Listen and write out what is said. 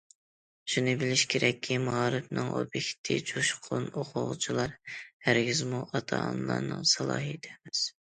شۇنى بىلىش كېرەككى، مائارىپنىڭ ئوبيېكتى جۇشقۇن ئوقۇغۇچىلار، ھەرگىزمۇ ئاتا- ئانىلارنىڭ سالاھىيىتى ئەمەس.